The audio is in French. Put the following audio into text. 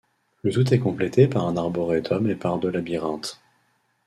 Le tout est complété par un arboretum et par deux labyrinthes.